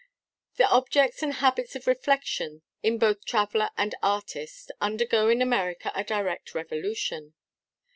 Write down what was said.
The objects and habits of reflection in both traveller and artist undergo in America a direct revolution.